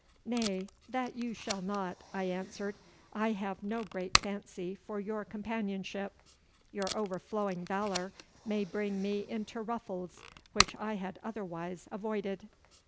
'Nay, that you shall not,' I answered; 'I have no great fancy for your companionship. Your overflowing valour may bring me into ruffles which I had otherwise avoided.